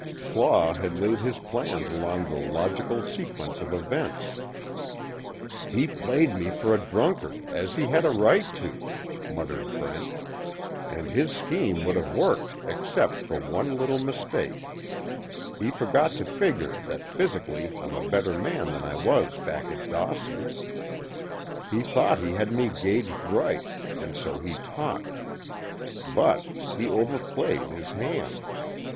Claw had laid his plans along the logical sequence of events. "He played me for a drunkard, as he had a right to," muttered Brent. "And his scheme would have worked except for one little mistake. He forgot to figure that physically I'm a better man than I was back at Dawson. He thought he had me gauged right, and so he talked. But he over played his hand.